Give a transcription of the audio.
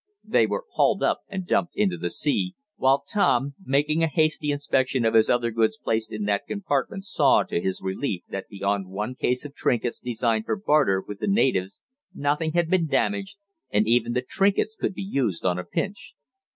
They were hauled up and dumped into the sea, while Tom, making a hasty inspection of his other goods placed in that compartment saw, to his relief, that beyond one case of trinkets, designed for barter with the natives, nothing had been damaged, and even the trinkets could be used on a pinch.